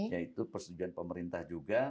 yaitu persediaan pemerintah juga